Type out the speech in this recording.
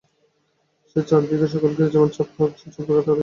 সে চারি দিকের সকলকে যেন খাপছাড়া রকমে ছাড়াইয়া উঠিয়াছে।